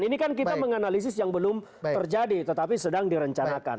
ini kan kita menganalisis yang belum terjadi tetapi sedang direncanakan